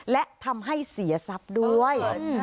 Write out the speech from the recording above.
และทำให้เสียทรัพย์ด้วย